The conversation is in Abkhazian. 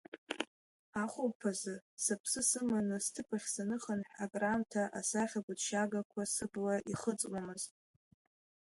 Ахәылԥазы сыԥсы сыманы сҭыԥахь саныхынҳә, акраамҭа асахьа гәыҭшьаагақәа сыбла ихыҵуамызт.